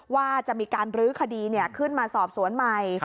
ว่าจะมีการรื้อคดีขึ้นมาสอบสวนใหม่